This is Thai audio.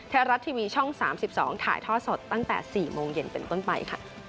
ไทยรัฐทีวีช่อง๓๒ถ่ายท่อสดตั้งแต่๔โมงเย็นเป็นต้นไปค่ะ